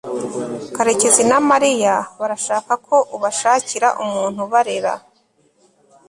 karekezi na mariya barashaka ko ubashakira umuntu ubarera